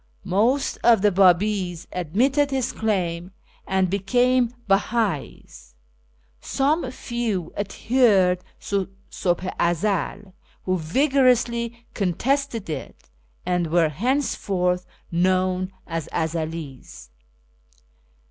Most of the Babis admitted his claim, and became Beha'is ; some few adhered to SuIih i Ezel, who vigorously contested it, and were henceforth known as Ezelis.